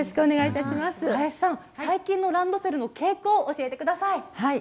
最近のランドセルの傾向を教えてください。